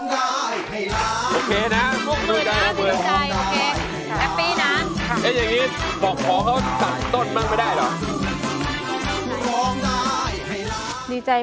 ขอบคุณครับ